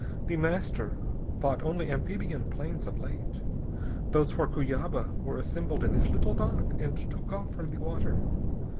The Master bought only amphibian planes of late. Those for Cuyaba were assembled in this little dock and took off from the water.